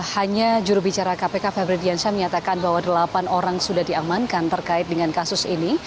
hanya jurubicara kpk febri diansyah menyatakan bahwa delapan orang sudah diamankan terkait dengan kasus ini